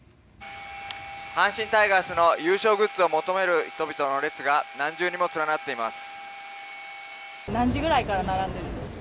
阪神タイガースの優勝グッズを求める人々の列が何重にも繋がっています。